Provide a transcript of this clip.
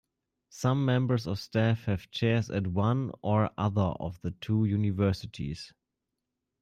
Some members of staff have chairs at one or other of the two universities.